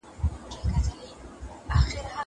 واښه راوړه.